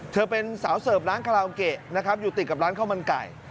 เธอเป็นสาวเสิร์ฟร้านคาราโอเกะนะครับอยู่ติดกับร้านข้าวมันไก่